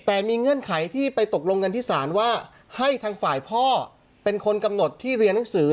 แต่มีเงื่อนไขที่ไปตกลงกันที่ศาลว่าให้ทางฝ่ายพ่อเป็นคนกำหนดที่เรียนหนังสือ